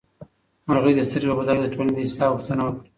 مرغۍ د سترګې په بدل کې د ټولنې د اصلاح غوښتنه وکړه.